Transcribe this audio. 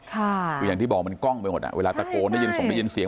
คืออย่างที่บอกมันก้องไปหมดเวลาตะโกนได้ยินเสียง